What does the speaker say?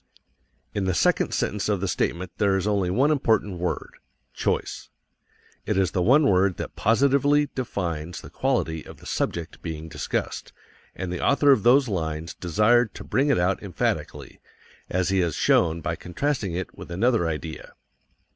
In the second sentence of the statement there is only one important word choice. It is the one word that positively defines the quality of the subject being discussed, and the author of those lines desired to bring it out emphatically, as he has shown by contrasting it with another idea.